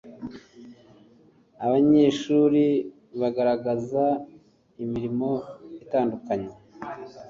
Abanyeshuri baragaragaza imirimo itandukanye